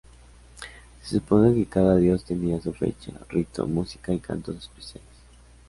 Se supone que cada dios tenía su fecha, rito, música y cantos especiales.